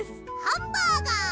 ハンバーガー！